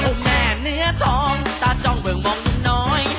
ทุกแม่เนื้อทองตาจ้องเมืองมองลุุ๊นหนอย